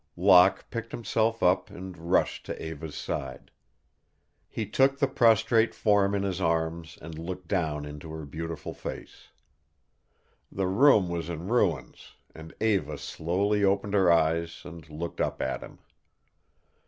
Locke picked himself up and rushed to Eva's side. He took the prostrate form in his arms and looked down into her beautiful face. The room was in ruins, and Eva slowly opened her eyes and looked up at him.